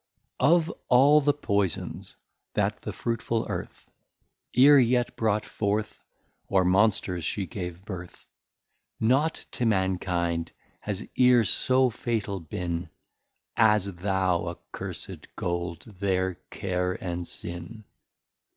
Of all the Poisons that the fruitful Earth E'er yet brought forth, or Monsters she gave Birth, Nought to Mankind has e'er so fatal been, As thou, accursed Gold, their Care and Sin.